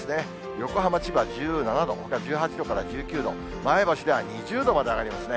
横浜、千葉１７度、ほか１８度から１９度、前橋では２０度まで上がりますね。